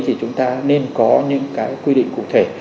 thì chúng ta nên có những cái quy định cụ thể